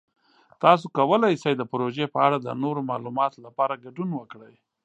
تاسو کولی شئ د پروژې په اړه د نورو معلوماتو لپاره ګډون وکړئ.